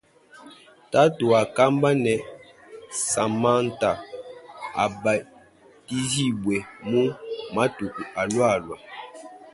Tatu wakamba ne samanta abatijibwe mu matuku alwalwa.